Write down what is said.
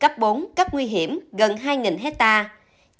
cấp bốn cấp nguy hiểm gần hai hectare